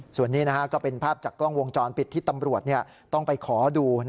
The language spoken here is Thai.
ส่วนนี้ก็เป็นภาพจากกล้องวงจรปิดที่ตำรวจต้องไปขอดู